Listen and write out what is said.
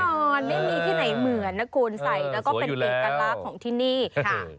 อ่าแน่นอนไม่มีที่ไหนเหมือนนะคุณใส่แล้วก็เป็นเป็นการรับของที่นี่ค่ะ